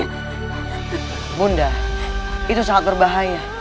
ibu nda itu sangat berbahaya